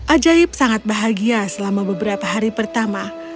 ajaib sangat bahagia selama beberapa hari pertama